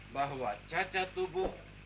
bahwa cacat tubuh